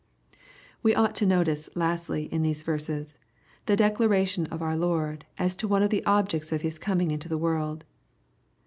We ought to notice, lastly, in these verses, the declara tion of our Lord as to one of the objects of Hia coming into the world.